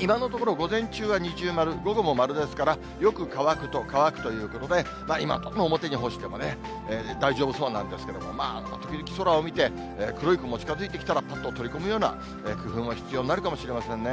今のところ、午前中は二重丸、午後も丸ですから、よく乾くと乾くということで、今のところ表に干しても大丈夫そうなんですけども、時々空を見て、黒い雲が近づいてきたら、ぱっと取り込むような工夫も必要になるかもしれませんね。